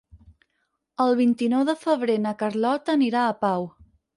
El vint-i-nou de febrer na Carlota anirà a Pau.